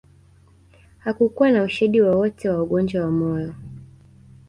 Hakukuwa na ushahidi wowote wa ugonjwa wa moyo